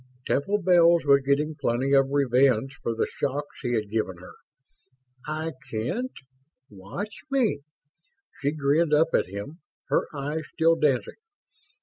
Temple Bells was getting plenty of revenge for the shocks he had given her. "I can't? Watch me!" She grinned up at him, her eyes still dancing.